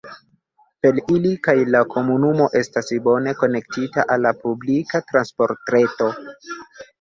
Per ili kaj la komunumo estas bone konektita al la publika transportreto.